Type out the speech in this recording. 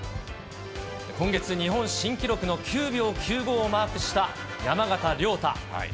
今月、日本新記録の９秒９５をマークした山縣亮太。